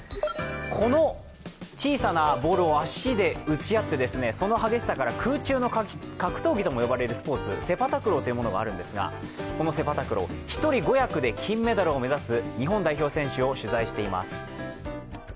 この小さなボールを足で打ち合ってその激しさから空中の格闘技とも呼ばれるスポーツ、セパタクローというものがあるんですがこのセパタクロー、１人５役で金メダルを目指す日本代表選手を取材しています。